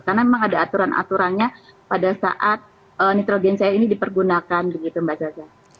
karena memang ada aturan aturannya pada saat nitrogen cair ini dipergunakan gitu mbak zaza